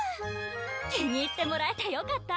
気に入ってもらえてよかった！